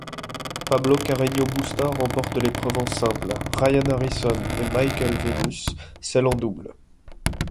Pablo Carreño-Busta remporte l'épreuve en simple, Ryan Harrison et Michael Venus celle en double.